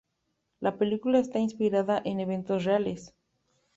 La película está inspirada en eventos reales.